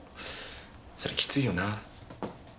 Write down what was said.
それきついよな？